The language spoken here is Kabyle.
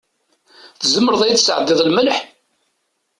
Tzemreḍ ad yi-d-tesɛeddiḍ lmelḥ?